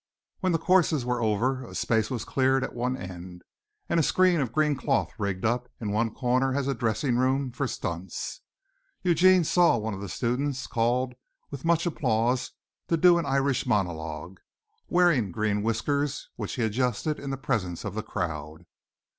When the courses were over, a space was cleared at one end and a screen of green cloth rigged up in one corner as a dressing room for stunts. Eugene saw one of the students called with much applause to do an Irish monologue, wearing green whiskers, which he adjusted in the presence of the crowd.